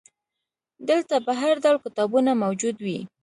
دلته به هرډول کتابونه موجود وي.